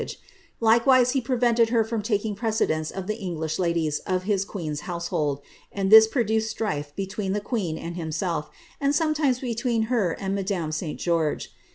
He likewise prevented hei from taking precedence of the English ladies of his queen's household, and this produced strife between the queen and himself, and sometimes between her and roadame St. George.